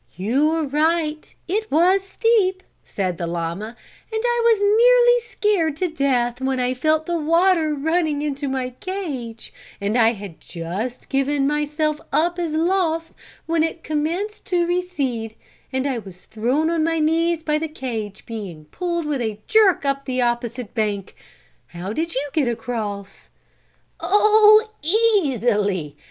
"You are right; it was steep," said the llama, "and I was nearly scared to death when I felt the water running into my cage and I had just given myself up as lost when it commenced to recede, and I was thrown on my knees by the cage being pulled with a jerk up the opposite bank. How did you get across?" "Oh, easily!